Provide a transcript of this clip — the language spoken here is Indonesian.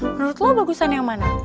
menurut lo bagusan yang mana